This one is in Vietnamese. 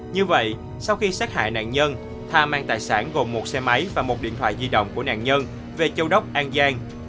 như vậy sau khi sát hại nạn nhân tha mang tài sản gồm một xe máy và một điện thoại di động của nạn nhân về châu đốc an giang